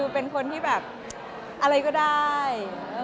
เป็นคนที่แบบอะไรก็ได้